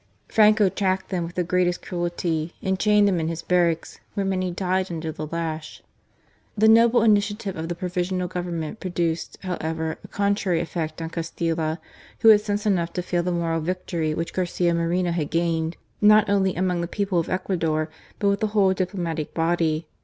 Franco tracked them with the greatest cruelty, and chained them in his barracks, where many died under the lash. The xioble initiative of the Provisional Govern ment produced, however, a contrary effect on Cas tilla, who had sense enough to feel the moral victory which Garcia Moreno had gained, not only among the people of Ecuador, but with the whole Diplomatic body.